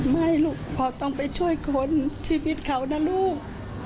ไม่ลูกพ่อต้องไปช่วยคนที่วิทย์เขาน่ะลูก